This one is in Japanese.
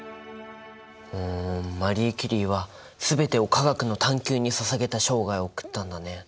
おマリー・キュリーは全てを科学の探究にささげた生涯を送ったんだね。